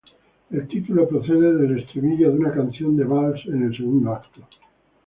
El título procede del estribillo de una canción de vals en el segundo acto.